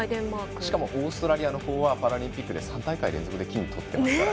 しかもオーストラリアのほうはパラリンピックで３大会連続で金をとってますから。